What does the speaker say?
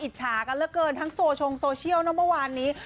จฉากันเหลือเกินทั้งโซชงโซเชียลนะเมื่อวานนี้